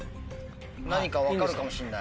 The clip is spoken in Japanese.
何か分かるかもしれない。